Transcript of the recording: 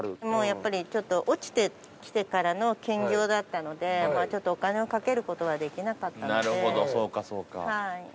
やっぱり落ちてきてからの建業だったのでちょっとお金をかける事はできなかったので。